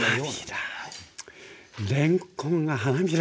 れんこんが花びらに。